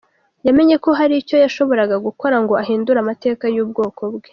Yamenye ko hari icyo yashoboraga gukora ngo ahindure amateka y’ubwoko bwe.